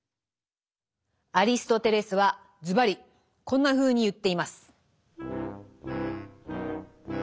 アリストテレスはズバリこんなふうに言っています。